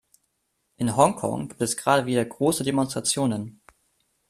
In Hongkong gibt es gerade wieder große Demonstrationen.